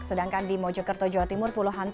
sedangkan di mojokerto jawa timur pulau hantu